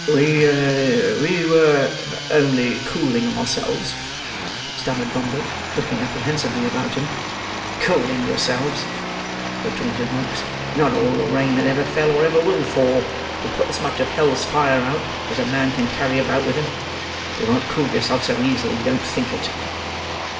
"We—we were only cooling ourselves," stammered Bumble, looking apprehensively about him. "Cooling yourselves!" retorted Monks. "Not all the rain that ever fell, or ever will fall, will put as much of hell's fire out, as a man can carry about with him. You won't cool yourself so easily; don't think it!"